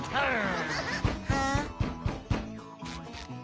・はあ？